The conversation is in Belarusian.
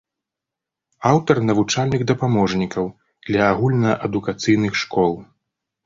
Аўтар навучальных дапаможнікаў для агульнаадукацыйных школ.